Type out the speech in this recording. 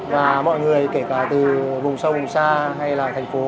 và mọi người kể cả từ vùng sâu vùng xa hay là thành phố